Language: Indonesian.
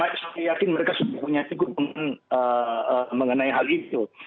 dan saya yakin mereka sudah punya tikun mengenai hal itu